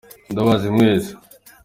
Ndabazi mwese